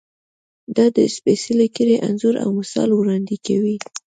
دا د سپېڅلې کړۍ انځور او مثال وړاندې کوي.